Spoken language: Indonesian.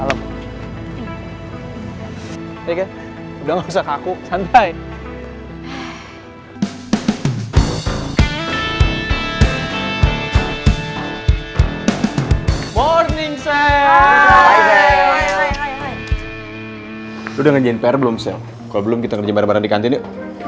lu udah ngerjain pr belum sel kalau belum kita kerja bareng bareng di kantin yuk